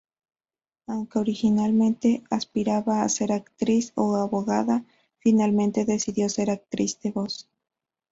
Aunque originalmente aspiraba a ser actriz o abogada, finalmente decidió ser actriz de voz.